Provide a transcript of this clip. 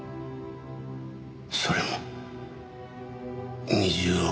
それも２０億。